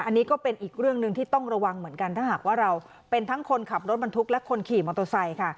อันนี้ก็เป็นอีกเรื่องหนึ่งที่ต้องระวังเหมือนกันถ้าหากว่าเราเป็นทั้งคนขับรถบรรทุกและคนขี่มอเตอร์ไซค์ค่ะ